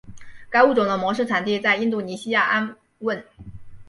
该物种的模式产地在印度尼西亚安汶。